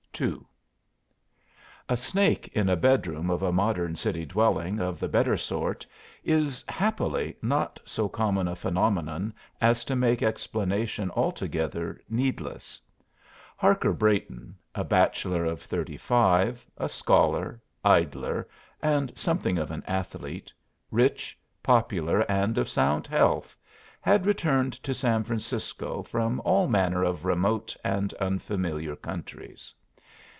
II A snake in a bedroom of a modern city dwelling of the better sort is, happily, not so common a phenomenon as to make explanation altogether needless. Harker Brayton, a bachelor of thirty five, a scholar, idler and something of an athlete, rich, popular and of sound health, had returned to San Francisco from all manner of remote and unfamiliar countries.